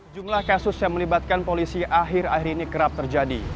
jumlah kasus yang melibatkan polisi akhir akhir ini kerap terjadi